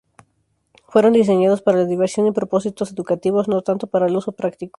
Fueron diseñados para la diversión y propósitos educativos, no tanto para el uso práctico.